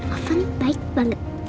ovan baik banget